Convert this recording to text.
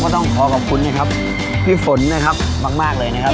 ต้องขอขอบคุณนะครับพี่ฝนนะครับมากเลยนะครับ